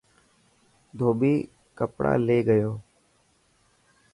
ڌوٻي ڪپڙا لي گيو.